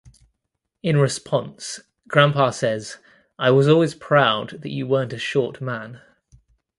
In response, Grampa says, I was always proud that you weren't a short man.